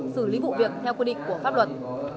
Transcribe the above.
xử lý vụ việc theo quy định của pháp luật